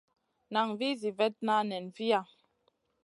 Nan vih zi vetna nen viya.